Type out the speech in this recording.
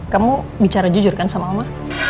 kamu bicara jujur kan sama oma